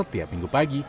tiap minggu pagi